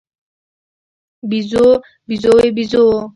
بیزو، بیزووې، بیزوو